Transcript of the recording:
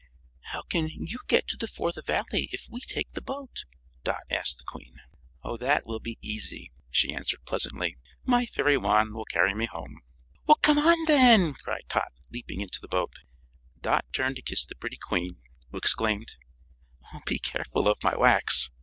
"How can you get to the Fourth Valley if we take the boat?" Dot asked the Queen. "That will be easy," she answered, pleasantly; "my fairy wand will carry me home." "Come on, then!" cried Tot, leaping into the boat. Dot turned to kiss the pretty Queen, who exclaimed: "Be careful of my wax!"